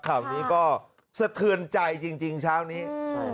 ข่าวนี้ก็สะเทือนใจจริงเช้านี้